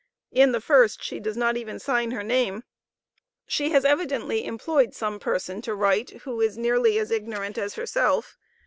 In the first she does not even sign her name. She has evidently employed some person to write, who is nearly as ignorant as herself.